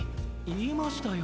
いいましたよ。